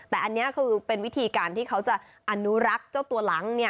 แต่อันนี้คือเป็นวิธีการที่เขาจะอนุรักษ์เจ้าตัวหลัง